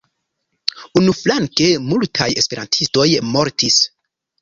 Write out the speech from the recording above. Unuflanke, multaj esperantistoj mortis.